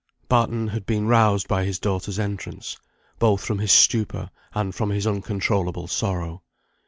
Barton had been roused by his daughter's entrance, both from his stupor and from his uncontrollable sorrow.